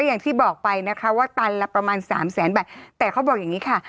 อย่างที่บอกไปนะคะว่าตันละประมาณสามแสนบาทแต่เขาบอกอย่างนี้ค่ะ